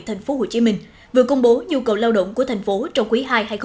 thành phố hồ chí minh vừa công bố nhu cầu lao động của thành phố trong quý hai hai nghìn một mươi bốn